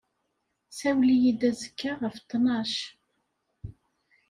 Sawel-iyi-d azekka ɣef ttnac